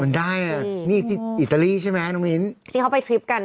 มันได้อ่ะนี่ที่อิตาลีใช่ไหมน้องมิ้นที่เขาไปทริปกัน